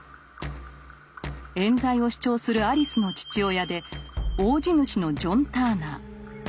冤罪を主張するアリスの父親で大地主のジョン・ターナー。